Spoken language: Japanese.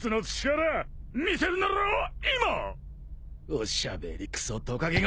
おしゃべりくそトカゲが！